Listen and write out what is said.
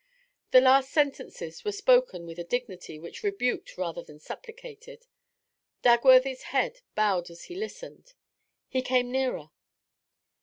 The last sentences were spoken with a dignity which rebuked rather than supplicated. Dagworthy's head bowed as he listened. He came nearer.